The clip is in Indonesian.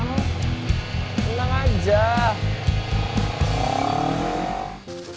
gitu dong romantis